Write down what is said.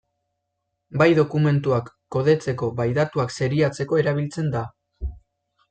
Bai dokumentuak kodetzeko bai datuak seriatzeko erabiltzen da.